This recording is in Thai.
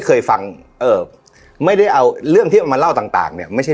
เคยฟังเอ่อไม่ได้เอาเรื่องที่เอามาเล่าต่างเนี่ยไม่ใช่